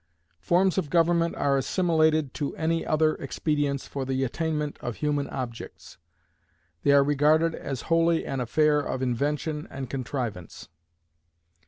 Forms of government are assimilated to any other expedients for the attainment of human objects. They are regarded as wholly an affair of invention and contrivance.